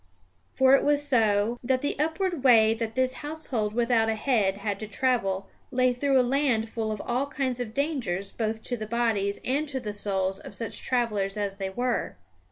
For it was so, that the upward way that this household without a head had to travel lay through a land full of all kinds of dangers both to the bodies and to the souls of such travellers as they were.